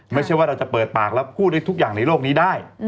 ไม่ใช่ว่าเราจะเปิดปากแล้วพูดได้ทุกอย่างในโลกนี้ได้